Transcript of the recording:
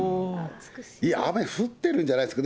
雨降ってるんじゃないですか。